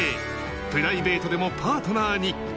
プライベートでもパートナーに。